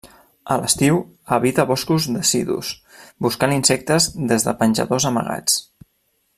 A l'estiu, habita boscos decidus, buscant insectes des de penjadors amagats.